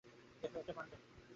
দেখো, একটা পান্ডা!